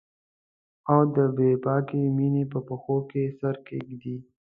او د بې باکې میینې په پښو کې سر کښیږدي